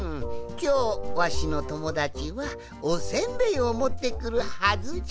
きょうわしのともだちはおせんべいをもってくるはずじゃ。